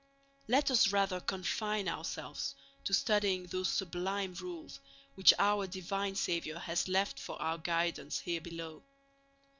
Let us rather confine ourselves to studying those sublime rules which our divine Saviour has left for our guidance here below.